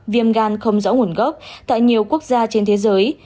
viêm gan không rõ nguồn gốc tại nhiều quốc gia trên thế giới